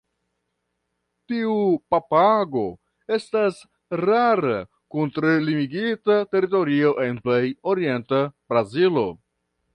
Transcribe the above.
Tiu papago estas rara kun tre limigita teritorio en plej orienta Brazilo.